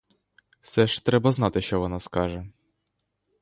Вже ж треба знати, що вона скаже.